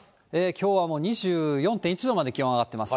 きょうはもう２４．１度まで気温上がってます。